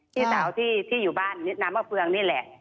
พี่สาวที่อยู่บ้านน้ำมะเฟืองนี่แหละ